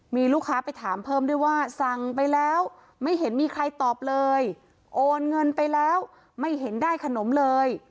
มีลูกค้าไปถามเพิ่มด้วยว่าสั่งไปแล้วไม่เห็นมีใครตอบเลยโอนเงินไปแล้วไม่เห็นได้ขนมเลย